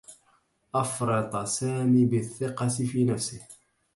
أفرط سامي بالثّقة في نفسه.